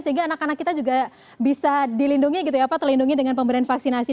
sehingga anak anak kita juga bisa dilindungi gitu ya pak terlindungi dengan pemberian vaksinasi